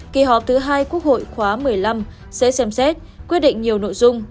kỳ họp thứ hai quốc hội khóa một mươi năm sẽ xem xét quyết định nhiều nội dung